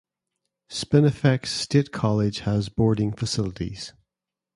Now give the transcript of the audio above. Spinifex State College has boarding facilities.